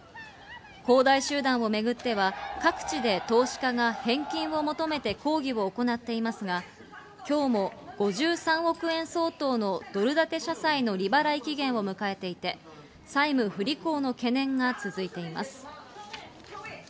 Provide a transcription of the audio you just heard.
恒大集団をめぐっては、各地で投資家が返金を求めて抗議を行っていますが、今日も５３億円相当のドル建て社債の利払い期限を迎えていて、債務不履行の懸念が続いています。